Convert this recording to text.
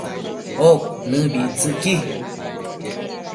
oc nëbictsëqui